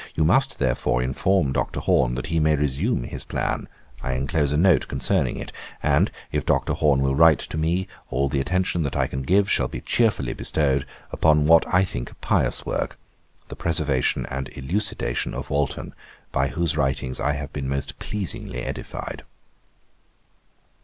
You must, therefore, inform Dr. Horne, that he may resume his plan, I enclose a note concerning it; and if Dr. Horne will write to me, all the attention that I can give shall be cheerfully bestowed, upon what I think a pious work, the preservation and elucidation of Walton, by whose writings I have been most pleasingly edified.'